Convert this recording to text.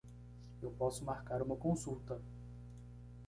Eu posso marcar uma consulta.